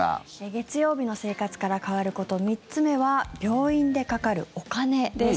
月曜日の生活から変わること３つ目は病院でかかるお金です。